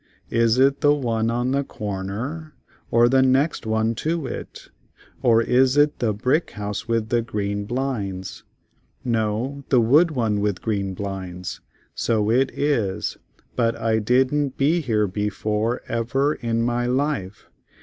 Is it the one on the cor ner, or the next one to it, or is it the brick house with the green blinds? No, the wood one with green blinds; so it is, but I didn't be here be fore ev er in my life.